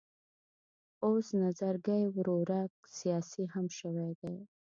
اوس نظرګی ورورک سیاسي هم شوی دی.